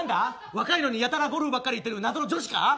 若いのにやたらゴルフに行ってる謎の女子か？